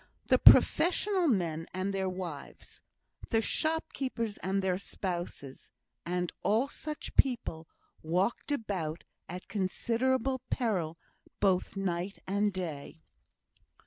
The professional men and their wives, the shopkeepers and their spouses, and all such people, walked about at considerable peril both night and day.